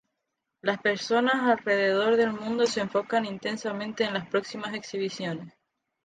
Las personas alrededor del mundo se enfocan intensamente en las próximas exhibiciones.